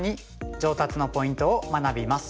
上達のポイントを学びます。